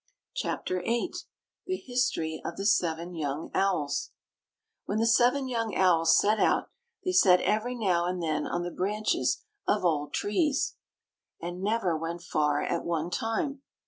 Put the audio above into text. CHAPTER VIII THE HISTORY OF THE SEVEN YOUNG OWLS When the seven young owls set out, they sat every now and then on the branches of old trees, and never went far at one time.